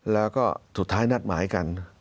แล้วก็สุดท้ายนัดหมายกัน